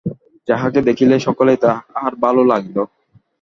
যাহাকে দেখিল সকলকেই তাহার ভালো লাগিল।